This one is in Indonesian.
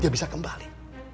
dia bisa kembali